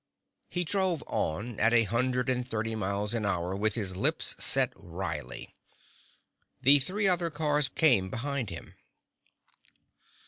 He drove on at a hundred thirty miles an hour with his lips set wrily. The three other cars came behind him.